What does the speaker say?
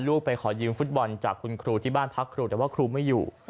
ไปขอยืมฟุตบอลจากคุณครูที่บ้านพักครูแต่ว่าครูไม่อยู่